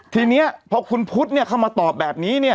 ทีนี้พอคุณพุทธเข้ามาตอบแบบนี้เนี่ย